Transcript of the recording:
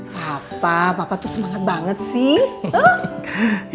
papa bapak tuh semangat banget sih